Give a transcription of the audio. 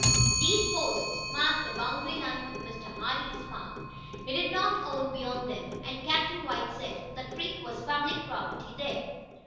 These posts marked the boundary line of Mr. Hardee's farm. He did not own beyond them, and Captain White said the creek was public property there.